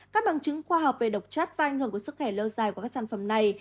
các bằng chứng khoa học về độc chất và ảnh hưởng của sức khỏe lâu dài của các sản phẩm này